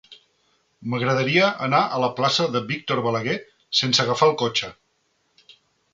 M'agradaria anar a la plaça de Víctor Balaguer sense agafar el cotxe.